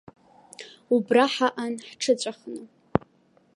Убра ҳаҟан ҳҽыҵәахны.